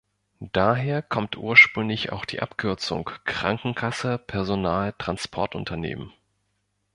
Daher kommt ursprünglich auch die Abkürzung Krankenkasse Personal Transportunternehmen.